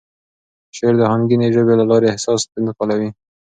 شعر د آهنګینې ژبې له لارې احساس انتقالوي.